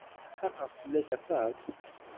Xaqeɣ fell-ak aṭas.